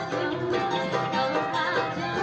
kerajaan itu akan berubah menjadi